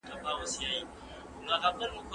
له پېښو سره دروغجن تعامل مه کوئ.